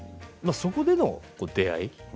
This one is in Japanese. そこでの出会い？